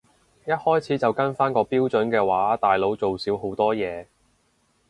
一開始就跟返個標準嘅話大佬做少好多嘢